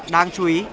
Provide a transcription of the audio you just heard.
đáng chú ý